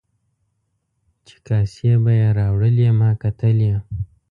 چې کاسې به یې راوړلې ما کتلې.